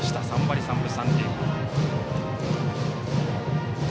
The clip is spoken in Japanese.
３割３分３厘。